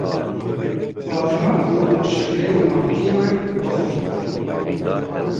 Xwarina ku şekîrên wan kêm e bixwin,.